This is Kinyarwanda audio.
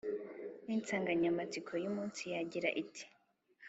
n’insanganyamatsiko y’umunsi yagiraga iti :